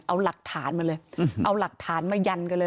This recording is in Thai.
เอาหลักฐานมาเลยเอาหลักฐานมายันกันเลย